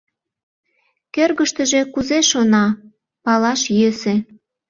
Кӧргыштыжӧ кузе шона — палаш йӧсӧ.